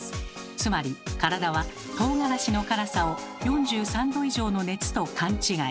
つまり体はとうがらしの辛さを４３℃以上の熱と勘違い。